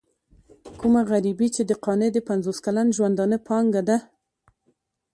کومه غريبي چې د قانع د پنځوس کلن ژوندانه پانګه ده.